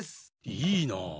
いいなあ！